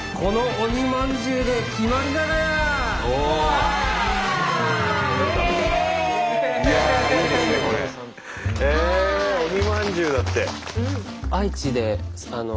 鬼まんじゅうだって。